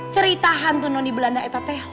cerita hantu noni belanda itu teh